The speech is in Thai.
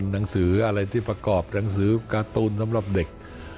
หนังสืออะไรที่ประกอบหนังสือการ์ตูนสำหรับเด็ก